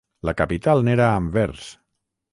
La capital n'era Anvers.